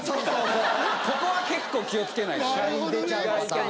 ここは結構気を付けないとね意外とね。